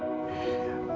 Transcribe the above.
aku merasa aku yang salah